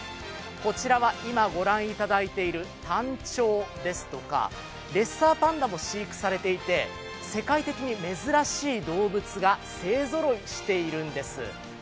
こちらは今、ご覧いただいているタンチョウですとかレッサーパンダも飼育されていて、世界的に珍しい動物が勢ぞろいしているんです。